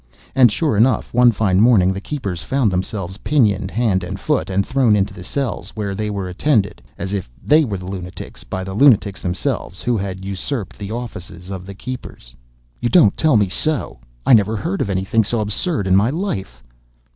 And, sure enough, one fine morning the keepers found themselves pinioned hand and foot, and thrown into the cells, where they were attended, as if they were the lunatics, by the lunatics themselves, who had usurped the offices of the keepers." "You don't tell me so! I never heard of any thing so absurd in my life!"